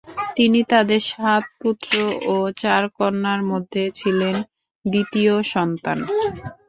তিনি তাদের সাত পুত্র ও চার কন্যার মধ্যে ছিলেন দ্বিতীয় সন্তান।